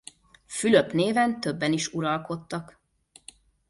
Fülöp néven többen is uralkodtak.